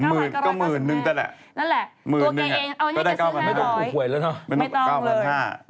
นั่นแหละตัวเขาเองเอาให้เขาซื้อ๕๐๐บาทไม่ต้องเลย